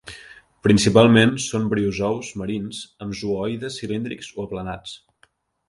Principalment són briozous marins amb zooides cilíndrics o aplanats.